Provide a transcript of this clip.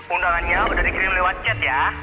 undangannya udah dikirim lewat chat ya